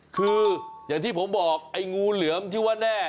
คืออย่างที่ผมบอกไอ้งูเหลือมชื่อว่าแน่